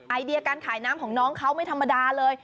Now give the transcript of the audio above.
ไอเดียการขายน้ำของน้องเขาไม่ธรรมดาเลย